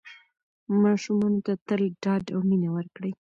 ماشومانو ته تل ډاډ او مینه ورکړئ.